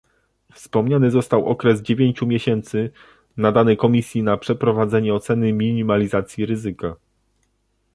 Wspomniany został okres dziewięciu miesięcy, nadany Komisji na przeprowadzenie oceny minimalizacji ryzyka